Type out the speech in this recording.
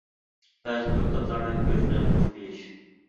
بەزى كۆكتاتلارنى گۆش بىلەن قوشۇپ يېيىش.